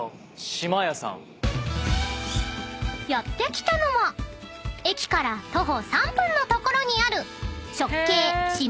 ［やって来たのは駅から徒歩３分の所にある］